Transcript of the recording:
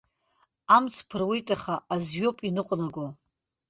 Амҵ ԥыруеит, аха азҩоуп иныҟәнаго.